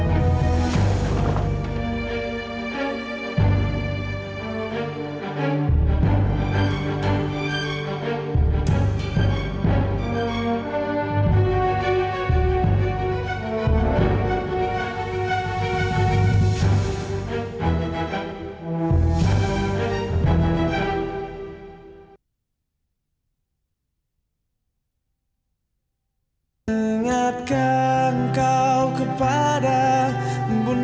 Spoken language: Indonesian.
biasa tangan tender paus